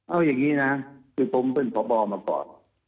เอาอย่างนี้นะคือผมเป็นพบมาก่อน